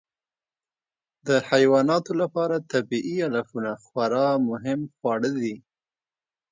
د حیواناتو لپاره طبیعي علفونه خورا مهم خواړه دي.